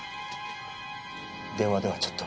電話ではちょっと。